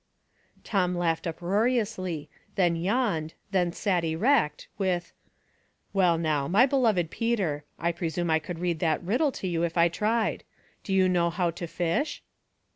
Tom laughed uproariously, then yawned, then sat erect, with, —" Well, now, my beloved Peter, I presume I could read that riddle to you if I tried. Do you know how to fish